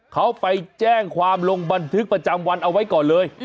เขาไปแจ้งความลงบันทึกประจำวันเอาไว้ก่อนเลย